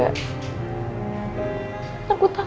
aku sangat rindu kamu